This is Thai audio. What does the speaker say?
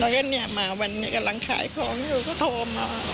แล้วก็เนี่ยมาวันนี้กำลังขายของอยู่ก็โทรมา